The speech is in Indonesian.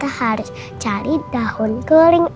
tapi kita harus cari daun kering om baik